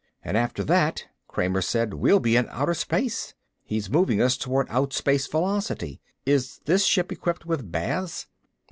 "And after that," Kramer said, "we'll be in outer space. He's moving us toward outspace velocity. Is this ship equipped with baths?"